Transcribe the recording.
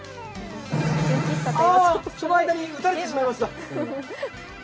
ああ、その間に撃たれてしまいました。